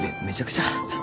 めちゃくちゃ。